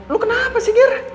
lo kenapa sih gir